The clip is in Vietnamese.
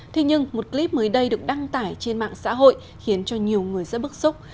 thế nhưng một clip mới đây được đăng tải trên mạng xã hội khiến cho nhiều người rất bức xúc